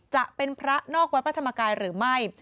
จะเป็นพระนอกวัดพระธรรมกายหรือไม่